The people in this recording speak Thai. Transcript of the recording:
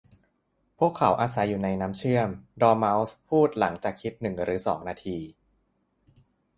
'พวกเขาอาศัยอยู่ในน้ำเชื่อม' ดอร์เม้าส์พูดหลังจากคิดหนึ่งหรือสองนาที